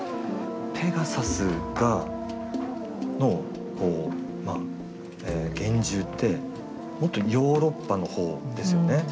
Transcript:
ペガサスがのこうまあ幻獣ってもっとヨーロッパの方ですよね。